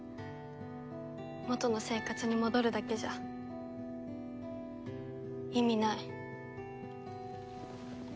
元の生活に戻るだけじゃ意味ない。